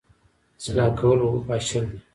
اصلاح کول اوبه پاشل دي